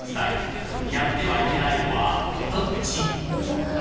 ［やってはいけないのはどっち？］